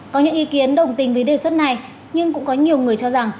có những ý kiến đồng tình với đề xuất này nhưng cũng có nhiều người cho rằng